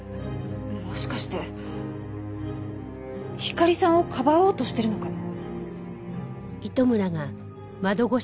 もしかしてひかりさんをかばおうとしてるのかも。